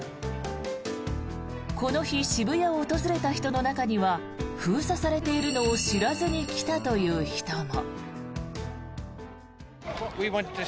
この日渋谷を訪れた人の中には封鎖されているのを知らずに来たという人も。